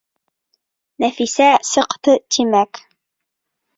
Нәфисә сыҡты, тимәк.